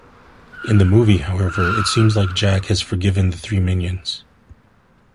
In the movie however it seems like Jack has forgiven the three minions.